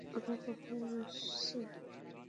ওরা কখন আসছে?